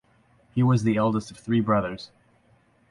He was the eldest of three brothers.